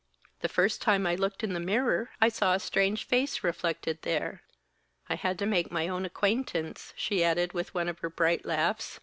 "The first time I looked in the mirror I saw a strange face reflected there. I had to make my own acquaintance," she added, with one of her bright laughs.